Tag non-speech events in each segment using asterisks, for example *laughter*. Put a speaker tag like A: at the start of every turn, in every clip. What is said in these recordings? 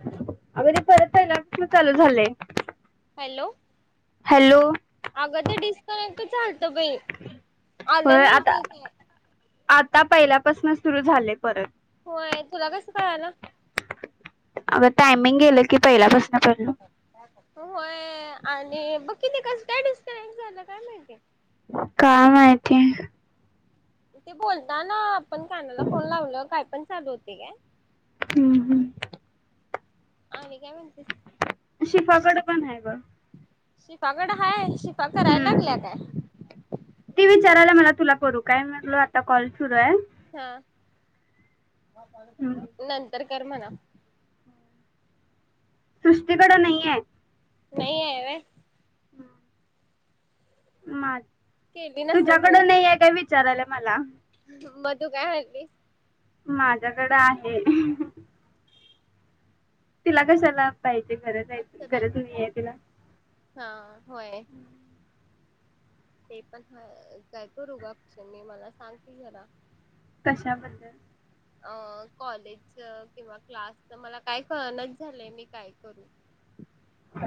A: अग ते परत पहिल्यापासन चालू झालय.
B: हॅलो अग ते डिस *inaudible* *unintelligible* आलं
A: होय
B: नाही
A: आता
B: ते काय
A: आता पहिल्यापासून सुरू झालय परत.
B: होय तुला कसं कळालं.
A: अग टायमिंग गेलं की पहिल्यापासू
B: होय आणि बघ किती क काय डिस्कनेक्ट झालं काय माहिती.
A: काय माहिती
B: ते बोलता ना पण कानाला फोन लावल काय पण चालू होते काय?
A: हं हं
B: आणि काय म्हणतेस
A: शिफाकड पण आहे बघ
B: शिपाकड हाय शि त्या करायला
A: हम्म
B: लागल्या काय?
A: ती विचारायला मला तुला करू काय म्हटल आता कॉल सुरू हाय.
B: हा नंतर कर म्हणाव
A: सृष्टीकड नाहीये.
B: नाहीये व्हय
A: मा
B: केली नसल
A: तुझ्याकड
B: तिने
A: नाहीये काय वि चारालय मला
B: म तू काय हारलीस?
A: माझ्याकड आहे. तिला कशाला? पाहिजे गरज आहे
B: अक्षता
A: गरज नहीये तिला
B: हा होय. ते पण ह काय करु ग अक्षे मी, मला सांग की जरा
A: कशाबद्दल?
B: अ कॉलेजच किंवा क्लासच मला काय कळणाच झालय मी काय करू?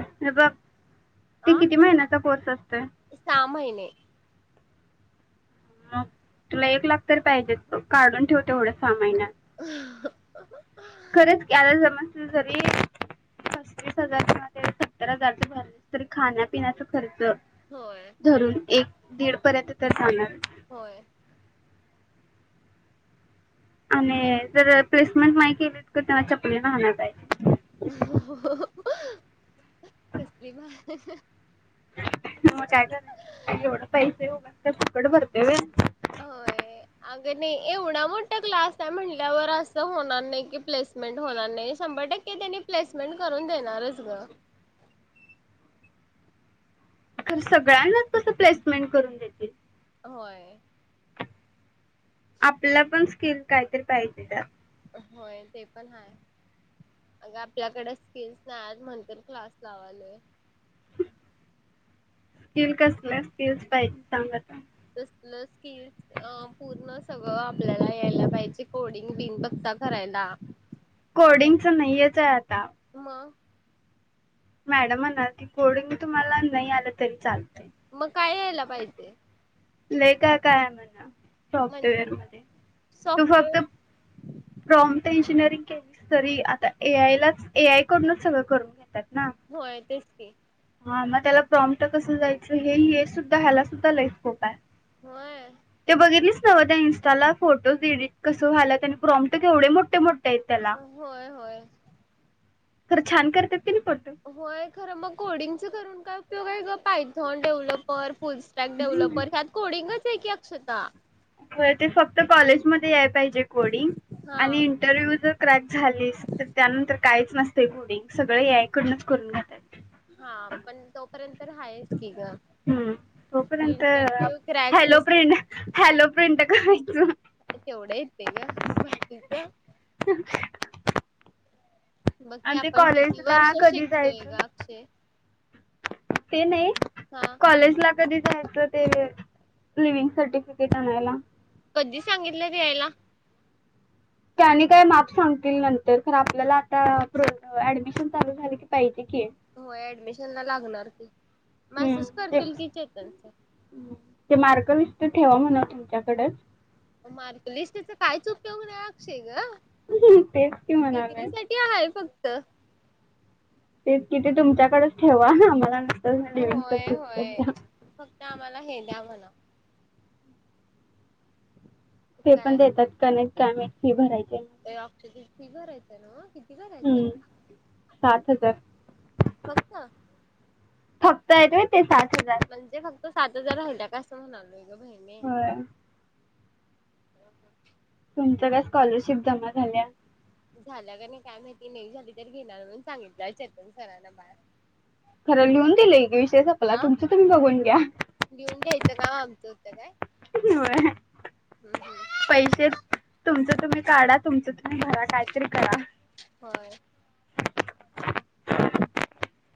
A: हे बघ ते
B: आ
A: किती महिन्याचा कोर्स असतोय?
B: हे
A: मग तुला एक लाख तर पाहिजेच, काढून ठेव तेवढं सहा महिन्या
B: अहं *unintelligible*
A: खरंच कि आता समज तु जरी पस्तीस हजार किंवा जे सत्तर हजारच भरलीस तरी खाण्यापिण्याचा खर्च
B: होय
A: धरून एक दीड पर्यंत तर जाणार
B: होय
A: आणि जर प्लेसमेंट नाही केली, तर त्याला चपलीन हानाय पाहिजे
B: कसली बा *unintelligible*
A: मग काय तर, ऐवढ पैसे उगचच फुकट भरतय व्हय
B: होय अगं नाही एवढा मोठा क्लास आहे म्हटल्यावर असं होणार नाही कि प्लेसमेंट होणार नाही शंभर टक्के त्यांनी प्लेसमेंट करून देणारच ग
A: खर सगळ्यांनाच तस प्लेसमेंट करून देतील
B: होय
A: आपल्या पण स्किल काहीतरी पाहिजे त्यात
B: होय ते पण हाय, अग आपल्याकड स्किल्स नायत म्हणल क्लास लावालय
A: स्किल कसलं, स्किल्स पाहि सांग आता
B: तसल स्किल पूर्ण सगळं आपल्याला यायला पाहिजे कोडिंग बिन बगता करायला आपण
A: कोडिंगच नाहीच आहे आता
B: मग
A: मॅडम म्हणालतीत कोडींग तुम्हाला नाही आलं तरी चाल
B: मग काय यायला पाहिजे?
A: लय काय काय हाय म्हन
B: म्हण
A: सॉफ्टवेअर मध्ये तू फक्त
B: सॉफ्टवेअर
A: फ्रॉम ते इंजिनिअरिंग केल तरी, आता ए आय ला च ए आय कडूनच सगळं करून घेतात ना
B: होय तेच ह
A: हा मग त्याला प्रॉम्ट कसं जायचं? हे सुद्धा ह्याला सुद्धा लई स्कोप आहे.
B: होय
A: ते बघितलीस नव त्या इनस्टाला फोटोज एडिट कसं झाला त्यांनी प्रॉम्प्ट केवढे मोठे मोठे आहेत त्याला
B: होय होय
A: खर छान करतात की नाही फोटो
B: होय खरं मग कोडिंग च करून काय उपयोग आहे ग पायथॉन, डेव्हलपर फुलस्टॅक डेव्हलपर ह्या कोडिंगच की अक्षता
A: व्हय ते फक्त कॉलेजमध्ये या पायजे कोडिंग
B: हा
A: आणि इनटरव्हीव जर क्रक झालीस तर त्या नंतर काहीच नसते कोडिंग सगळं ए आय कडूनच करून घेतात
B: हा पण तोपर्यंत राहायच की ग
A: हूं तोपर्यंत
B: इंटरव्ह्यू क्रॅक
A: हॅलो
B: होत
A: प्रिं हॅलो प्रिंट कराय *unintelligible*
B: तेवढा येतय ग बाकीच बग की
A: आणि ते
B: आपण किती वर्ष
A: कॉलेजला कधी
B: शिकतोय
A: जायचं
B: ग अक्षे
A: ते नाही
B: हा
A: कॉलेजला कधी जायचं ते लिविंग सर्टिफिकीट आणायला.
B: कधी सांगितलं द्यायला.
A: त्यानी काही माम सांगतील नंतर आपल्याला आता ऍडमिशन चालू झाली की पाहिजे. की
B: हो ऍडमिशन ला लागणार की
A: हम्म
B: मॅसेज करतील
A: तेच
B: की चैतन्य सर
A: ते मार्गलिस्त ठेवा म्हणव तुमच्याकडच
B: मार्क लिस्टच काहीच उपयोग नाही अक्षे ग
A: तेच की म्हणालोय.
B: त
A: किती तुमच्याकडच ठेवा आम्हाला न
B: होय होय फक्त आम्हाला हे द्या म्हणाव
A: ते पण
B: काय
A: देतात का नाई काय माहित फी भराय
B: *unintelligible* फी भरायचंय न्हवं किती भरायचंय
A: हम्म सात हजार
B: फक्त
A: फक्त आहेत होय ते सात हजार
B: म्हणजे फक्त सात हजार राहिल्या काय असं म्हणालोय अग बहिने
A: होय
B: *unintelligible*
A: तुमचं काय स्कॉलरशिप जमा झाल्या
B: झाल्या का नाही काय माहिती नाई झाली तर घेणार म्हणून सांगितलंय चेतन सरांना बाहेर
A: खर लिहून दिलंय की विषय सपला
B: अ
A: तुमचं तुम्ही बघून घ्या
B: झोपत्या काय?
A: *unintelligible*
B: हम्म हम्म
A: पैसे तुमच तुम्ही काढा. तुमंच भरा काहीतरी करा
B: होय.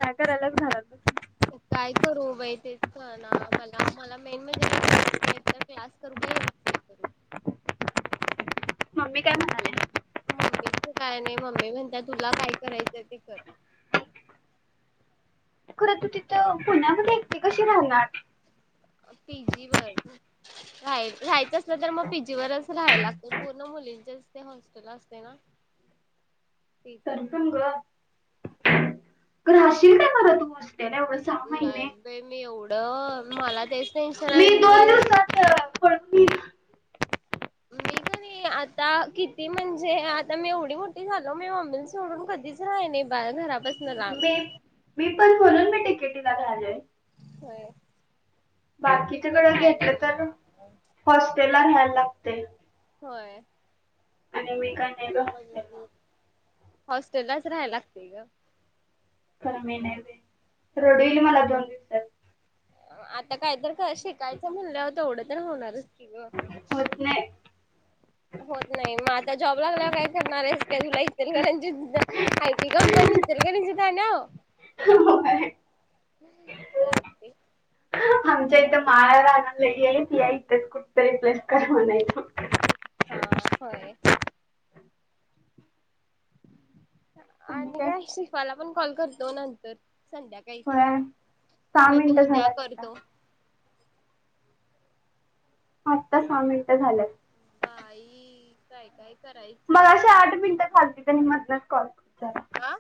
A: काय करायल्यास घरात बसून
B: काय करू बाई तेच कळना मला मला मेन म्हणजे कॉम्प्युचा एकदा क्लास करू का एमसीए करू?
A: मम्मी काय म्हणाल्या?
B: मम्मीचं काय नाही मम्मी म्हणत्या तुला काय करायचं ते कर
A: खरं तू तिथं पुण्यामध्ये एकटी कशी रहाणार?
B: पीजी वर राय राहायचं असलं तर मग पीजी वरच राहायला लागत पूर्ण मुलींचेच ते हॉस्टेल असते ना तिथं.
A: तरीपण ग रहाशील काय खरं तू अशी
B: नाही बई मी एवढं मला तेच टेन्शन आहे मी
A: दोन दिवसात अं, पळून येईन.
B: मी क नाही आता किती म्हणजे आता मी एवढी मोठी झालो मी मम्मी सोडून कधीच राहि नाही बा घरापा
A: मी मी पण बोलून मी डी. के. टी. ला घ्यालोय.
B: होय मी पण
A: बाकीच्याकड घेतलं
B: राहायला
A: तर हॉस्टेल ला रायला लागतय.
B: होय.
A: आणि मी काय नाही बा हॉस्टेल ला
B: हॉस्टेलाच राहायला लागतय ग
A: खरं मी नाहीे बाई रडू इल मला दोन दिवसात.
B: आता कायतर शिकायचं म्हणल्याव तेवढं तर होणारच कि ग
A: होत नाही
B: होत नाही मग आता जॉब लागल्यावर काय करणार आहेस काय तुला इचलकरनंजी आयटी कंपनी इचलकरनंजीत आनु
A: होय.
B: चालतय.
A: आमच्या इथं माळला रानाला येईत *unintelligible* या इथेच कुठत रिप्लेस कर म्हणायचं
B: हा होय. *inaudible* आणि काय शिकवाला पण कॉल करतो नंतर संध्याकाळी
A: होय सहा
B: नाहीतर
A: मिनिटं
B: उद्या
A: झाल्यात
B: करतो.
A: आता आत्ता सहा मिनिट झाल्यात
B: बाई काय काय करायचं
A: मगाशी
B: हातात
A: आठ मिनिटं
B: आपल्याला
A: झालतित आणि मधच कॉल कट झाला.
B: आ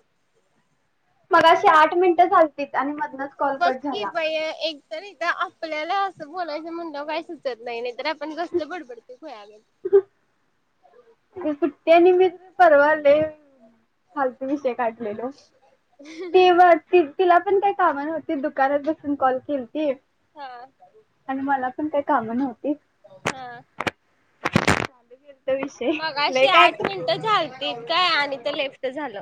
A: मगाशी आठ मिनटं झाल *inaudible* आणि मधनच कॉल
B: बघ
A: कट
B: की
A: झाला.
B: बाई एक तर इथं आपल्याला असं बोलायचं मनल्याव काही सुचत नाही. तर आपण घसलं बडबडत *unintelligible*
A: मी सुट्टया निमित्त परवाले. फालतू विषय काढलेल. तेव्हा त तिला पण काय कामं नव्हती, दुकानात बसून कॉल किलती
B: हा
A: आणि मला पण काय काम नव्ह
B: हा.
A: तो विशय.
B: मगाशि आठ मिनिटं झालं. *unintelligible* आणि ते लेफ्ट झालं.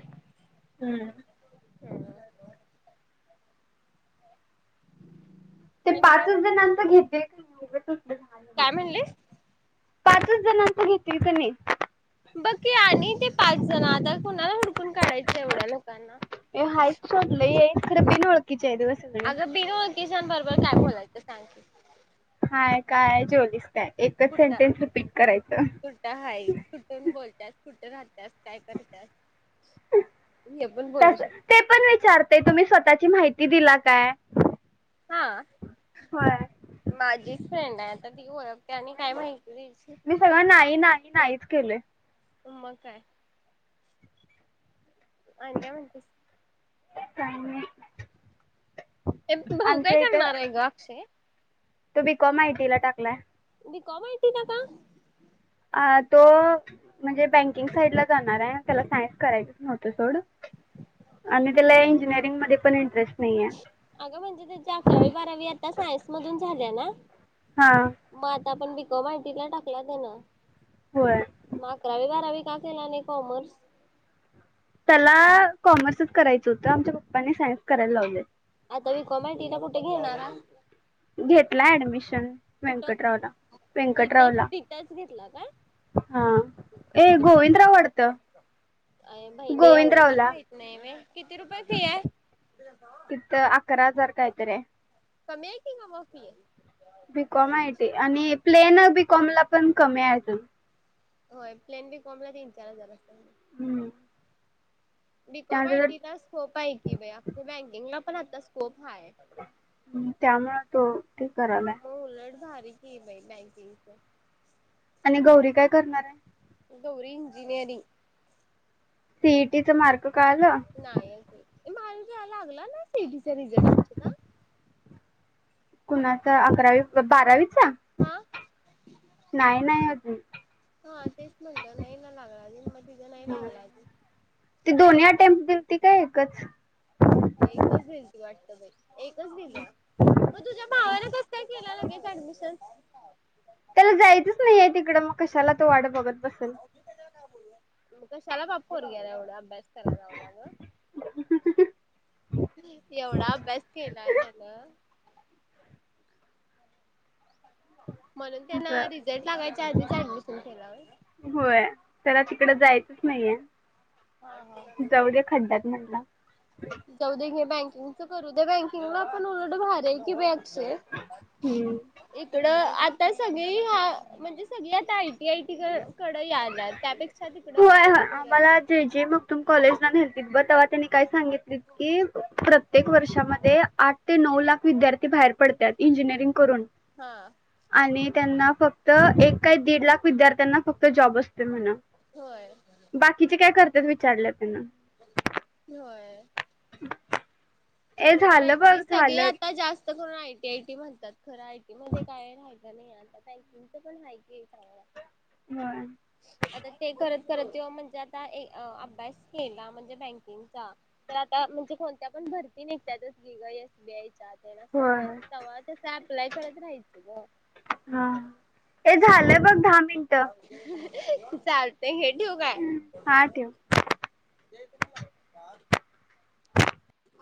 A: ते
B: आणि काय मग
A: पाचच जणांचं घेते. *unintelligible*
B: काय म्हणलीस
A: पाचच जणांच घेतील कनय.
B: बघ की आणि ते पाच जण आता कोणाला हुडक कुण काढायचं एवढ्या लोकांना.
A: हायत सोडलं येईन खरं बिनओळखी
B: आग बिनओळखीच्या बरोबर काय बोलायचं, सांग की.
A: हाय काय जेवलीस काय? एकच
B: कुठ?
A: सेंटेन्स रिपीट करायचं.
B: कुठ हाय? कुठून बोलतात? कुठ राहत काय करतीयास? काय करत्यात? मी हे पण बोलू
A: तस
B: शकतोय.
A: ती दिला काय? *inaudible*
B: हा.
A: होय
B: माझी फ्रेंडय आता ती ओळख. त्यांनी काय माहिती
A: मी
B: दिलती?
A: सगळं नाही नाही नाहीच केलय.
B: उ म काय? आणि काय म्हणतेस?
A: काही नाही.
B: *unintelligible* भाऊ काय
A: आमच्या इथं
B: करणार आहे ग अक्षय?
A: तो बी कॉम आयटीला टाकलाय.
B: बी कॉम आयटी ला का?
A: तो म्हणजे बँकिंग साईड ला जाणार आहे त्याला सायन्स करायचंच नव्हतं सोड आणि त्याला इंजिनिअरिंग मध्ये पण इंटरेस्ट नाहीये
B: अगं म्हणजे त्याची अकरावी बारावी आता सायन्स मधून झाली. *unintelligible*
A: हा
B: आता पण बिकॉम आयटीला टाकलाय त्यानं
A: होय.
B: मग अकरावी बारावी का केला नाही कॉमर्स?
A: त्याला कॉमर्सच करायचं होतं आमच्या पप्पाने सायन्स करायला लावलय.
B: आता बिकॉम आयटी ला कुठ घेणारा?
A: घेतल ऍडमिशन
B: कुठं
A: व्यंकटरावला
B: तिथच
A: व्यंकटरावला
B: तिथंच घेतला काय
A: हा ए
B: किती
A: गोविंदराव वाटतं
B: अ बहिणे एवढं पण
A: गोविंदरावला
B: माहित नाही होय किती रुपये फी आहे?
A: तिथं अकरा हजार काहीतरी आहे
B: कमी आहे की ग मग फी.
A: बीकॉम आयटी आणि प्लेन बीकॉम ला पण कमी आहे आजून
B: होय प्लेन बीकॉम ला तीन चार हजार असेल.
A: हम्म
B: बीकॉम
A: त्यानंतर
B: आयटीला स्कोप आहे की बाई आपली बँकिंगला पण आता स्कोप हाय.
A: ह् त्यामुळे तो ते करालाय
B: मग उलट भारी की बाई बँकिंगच
A: आणि गौरी काय करणार आहे?
B: गौरी इंजिनीयरिंग
A: सीईटीच मार्क कळालं
B: नाही अजून. माहिजा लागला ना सीईटीचा रिझल्ट अक्षदा
A: कुणाचा अकरावी बारावीचा
B: हा
A: नाही नाही अजून
B: हा तेच म्हणलं नाही ना लागला अजून मग तिझं नाही लागला अजून
A: ते दोन्ही अटेम्पट देऊन ती काय एकच
B: एकच दिलती वाटतं बाई एकच दिल्या मग तुझ्या भावाने कस का केल लगेच ऍडमिशन
A: त्याला जायचंच नाहीये आहे तिकडं मग कशाला तो वाट बघत बसल
B: मग कशाला बा पोरग्याला एवढा अभ्यास कराय लावला ग एवढा अभ्यास केला त्यानं? *inaudible* म्हणून त्यांन
A: असं
B: रिझल्ट लावायच्या आधीच ऍडमिशन केल होय?
A: होय त्याला तिकडे जायचंच नाहीये म्हणला
B: जाऊदे घे बँक *unintelligible* करूदे बँकिंगला पण उलट भारीये की बँक सेफ
A: हम्म
B: इकडं आता सगळी हा म्हणजे सगळी आता आयटी आय टी क
A: होय होय
B: बरं
A: आम्हाला जे जे मगदूम कॉलेजला न्हेलंतीत बग तवा त्यांनी काय सांगितलीत की प्रत्येक वर्षामध्ये आठ ते नऊ लाख विद्या बाहेर पडत्यात इंजिनिअरिंग करून
B: हा
A: आणि त्यांना फक्त एक काय दीड लाख विद्यार्थ्यांना फक्त जॉब अस तय म्हणा
B: होय
A: बाकीचे काय कर तेच विचारलं त्यांना
B: होय
A: ए
B: बरोबर आहे
A: झालं बघ
B: की सगळी
A: झालं
B: आता जास्त करून आयटी आयटी म्हणतात. खरं आयटी मधे काय राहि ल नाही आता टायपिंगच पण हाय की चांगला
A: होय
B: आता ते करत खर त्यो म्हणजे आता ए अभ्यास केला म्हणजे बँकिंगचा तर आता म्हणजे कोणत्या पण भर ती निघत्यातच की ग एस बी आय च्या *unintelligible* म
A: होय
B: तवा तसं आप्लाय करत राहायचं ग
A: हा ए झालंय बघ दहा मिनिटं
B: *unintelligible* चालतय हे ठेऊ काय?
A: हा ठेव
B: *inaudible* *inaudible*